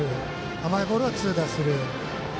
甘いボールは痛打する。